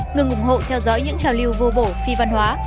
ngừng ủng hộ theo dõi những trào lưu vô bổ phi văn hóa